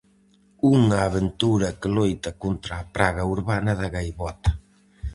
Unha aventura que loita contra a praga urbana da gaivota.